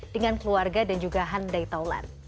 dengan keluarga dan juga handai taulan